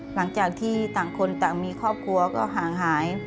หลังจากที่ต่างคนต่างมีครอบครัวก็ห่างหาย